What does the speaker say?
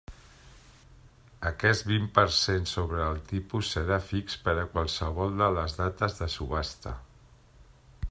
Aquest vint per cent sobre el tipus serà fix per a qualsevol de les dates de subhasta.